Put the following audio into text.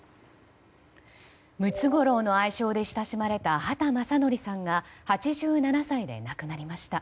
ムツゴロウの愛称で親しまれた畑正憲さんが８７歳で亡くなりました。